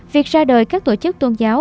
việc ra đời các tổ chức tôn giáo